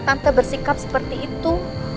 tante bersikap seperti itu